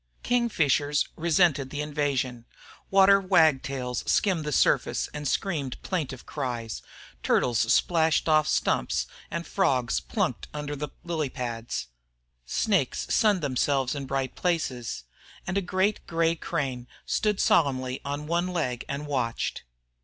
Kingfishers resented the invasion; water wagtails skimmed the surface and screamed plaintive cries. Turtles splashed off stumps and frogs plunked under the lily pads. Snakes sunned themselves in bright places. And a great gray crane stood solemnly on one leg and watched.